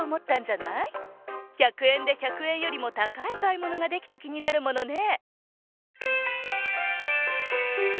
１００えんで１００えんよりも高いかいものができたきになるものね。